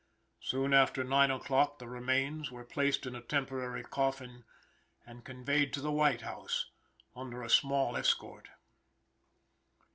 Soon after 9 o'clock the remains were placed in a temporary coffin and conveyed to the White House under a small escort.